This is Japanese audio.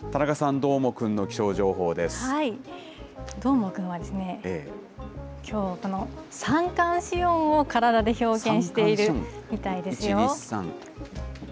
どーもくんは、きょうはこの三寒四温を体で表現しているみた１、２、３？